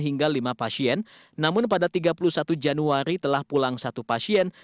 hingga lima pasien namun pada tiga puluh satu januari telah pulang satu pasien